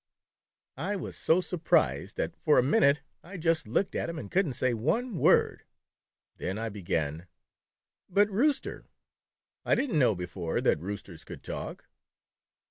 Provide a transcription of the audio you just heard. I was so surprised that for a minute I just looked at him and could n't say one word, then I began :" But, Rooster, I did n't know before that roosters could talk."